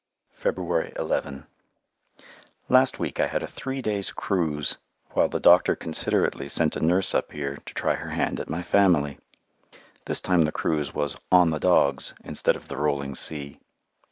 February 11 Last week I had a three days' "cruise" while the doctor considerately sent a nurse up here to try her hand at my family. This time the cruise was "on the dogs" instead of the rolling sea.